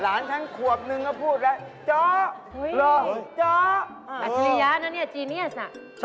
เอาเขียจ